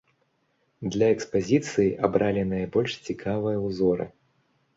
Для экспазіцыі абралі найбольш цікавыя ўзоры.